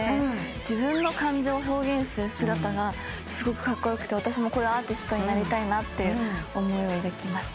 自分の感情を表現する姿がすごくカッコよくて私もこういうアーティストになりたいなっていう思いを抱きました。